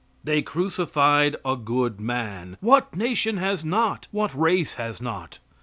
They crucified a good man. What nation has not? What race has not?